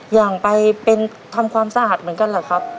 อย่างไปเป็นทำความสะอาดเหมือนกันเหรอครับ